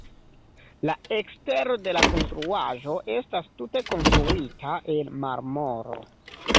La ekstero de la konstruaĵo estas tute konstruita el marmoro.